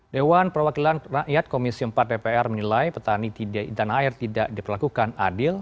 dewan perwakilan rakyat komisi empat dpr menilai petani tanah air tidak diperlakukan adil